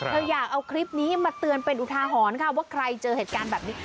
อยากเอาคลิปนี้มาเตือนเป็นอุทาหรณ์ค่ะว่าใครเจอเหตุการณ์แบบนี้